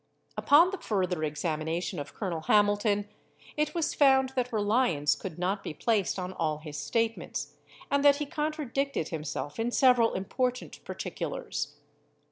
Upon the further examination of Colonel Hamilton, it was found that reliance could not be placed on all his statements, and that he contradicted himself in several important particulars.